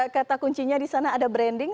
kata kuncinya di sana ada branding